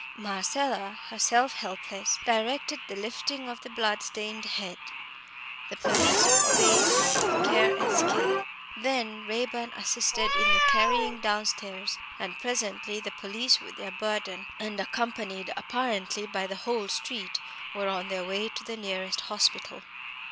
Marcella, herself helpless, directed the lifting of the bloodstained head; the police obeyed her with care and skill. Then Raeburn assisted in the carrying downstairs, and presently the police with their burden, and accompanied apparently by the whole street, were on their way to the nearest hospital.